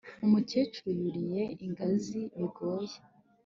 Umukecuru yuriye ingazi bigoye